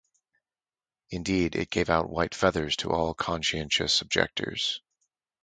Indeed, it gave out white feathers to all conscientious objectors.